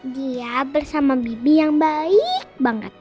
dia bersama bibi yang baik banget